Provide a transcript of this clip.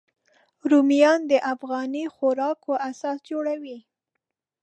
رومیان د افغاني خوراکو اساس جوړوي